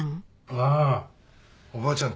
ああおばあちゃん